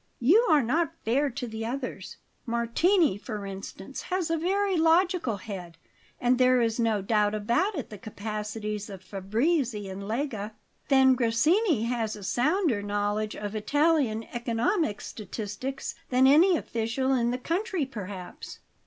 "You are not fair to the others. Martini, for instance, has a very logical head, and there is no doubt about the capacities of Fabrizi and Lega. Then Grassini has a sounder knowledge of Italian economic statistics than any official in the country, perhaps."